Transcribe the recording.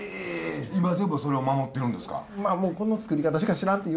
今でもそれを守ってるんですか？